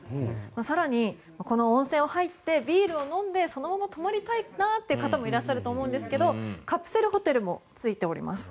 更に、この温泉に入ってビールを飲んでそのまま泊まりたいなという方もいらっしゃると思うんですがカプセルホテルもついております。